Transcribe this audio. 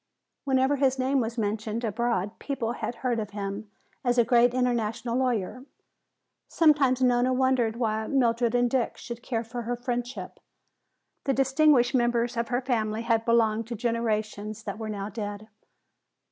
Whenever his name was mentioned abroad people had heard of him as a great international lawyer. Sometimes Nona wondered why Mildred and Dick should care for her friendship. The distinguished members of her family had belonged to generations that were now dead.